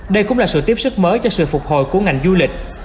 đây cũng là sự tiếp sức mới cho sự phục hồi của ngành du lịch